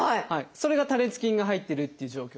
それが多裂筋が入ってるっていう状況です。